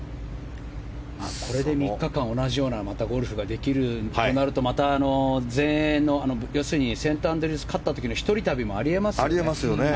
これで３日間同じようなゴルフがまたできるとなると全英のセントアンドリュースを勝った時の１人旅もあり得ますからね。